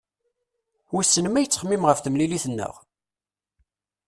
Wissen ma yettxemmim ɣef temlilit-nneɣ?